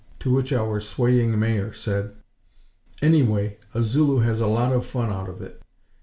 To which our swaying Mayor said: "Anyway, a Zulu has a lot of fun out of it.